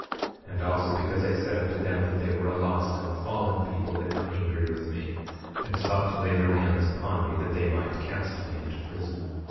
9:32 And also because I said unto them that they were a lost and a fallen people they were angry with me, and sought to lay their hands upon me, that they might cast me into prison.